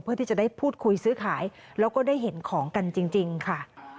เพื่อที่จะได้พูดคุยซื้อขายแล้วก็ได้เห็นของกันจริงค่ะ